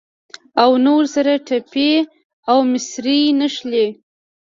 او نه ورسره ټپې او مصرۍ نښلي.